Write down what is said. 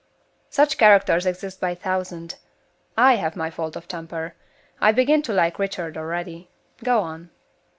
"Such characters exist by thousands. I have my faults of temper. I begin to like Richard already. Go on."